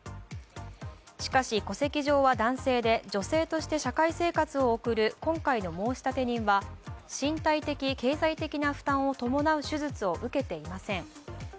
しかし、戸籍上は男性で女性として社会生活を送る今回の申立人は身体的、経済的な負担を伴う手術を受けていません。